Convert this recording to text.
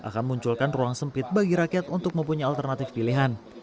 akan munculkan ruang sempit bagi rakyat untuk mempunyai alternatif pilihan